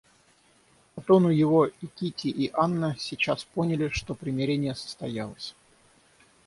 По тону его и Кити и Анна сейчас поняли, что примирение состоялось.